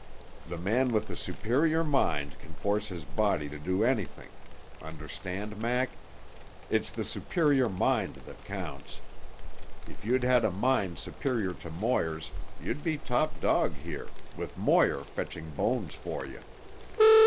"The man with the superior mind can force his body to do anything. Understand, Mac? It's the superior mind that counts. If you'd had a mind superior to Moir's you'd be top dog here, with Moir fetching bones for you.